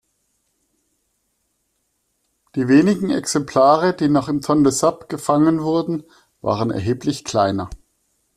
Die wenigen Exemplare, die noch im Tonle Sap gefangen wurden, waren erheblich kleiner.